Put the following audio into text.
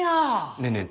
ねえねえ